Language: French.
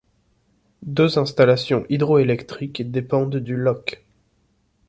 Deux installations hydroélectriques dépendent du loch.